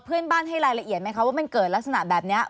เพื่อนบ้านให้รายละเอียดไหมคะว่ามันเกิดลักษณะแบบนี้